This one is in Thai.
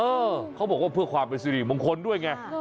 เออเขาบอกว่าเพื่อความเป็นสิริมงคลด้วยไง